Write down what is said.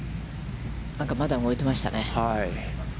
まだ動いていましたね。